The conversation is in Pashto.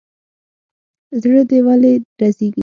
زړه دي ولي درزيږي.